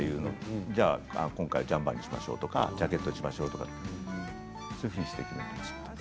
じゃあ今回はジャンバーにしましょうとかジャケットにしましょうとかそういうふうにしています。